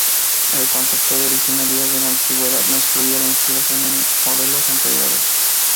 El concepto de originalidad en la antigüedad no excluía la inspiración en modelos anteriores.